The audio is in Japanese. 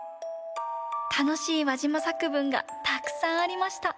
たのしいわじま作文がたくさんありました。